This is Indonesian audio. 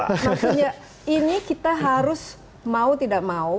maksudnya ini kita harus mau tidak mau